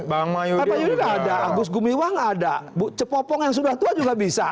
bang mahyudin ada agus gumiwa nggak ada cepopong yang sudah tua juga bisa